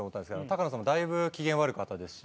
高野さんもだいぶ機嫌悪かったですし。